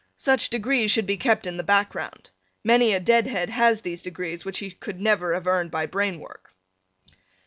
Such degrees should be kept in the background. Many a deadhead has these degrees which he could never have earned by brain work.